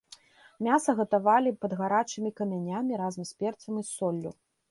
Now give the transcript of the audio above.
Мяса гатавалі пад гарачымі камянямі разам з перцам і соллю.